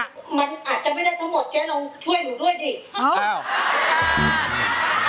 มันอาจจะไม่ได้ทั้งหมดเจ๊ลองช่วยหนูด้วยดิ